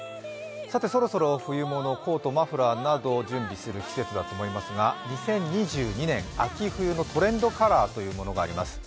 そろそろ冬物、コート、マフラーなどを準備する季節だと思いますが、２０２２年、秋冬のトレンドカラーというものがあります。